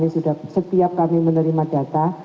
setiap kami menerima data